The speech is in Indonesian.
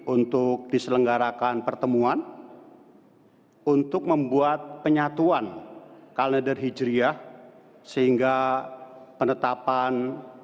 untuk diselenggarakan pertemuan untuk membuat penyatuan kalender hijriah sehingga penetapan